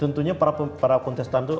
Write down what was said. tentunya para kontestan itu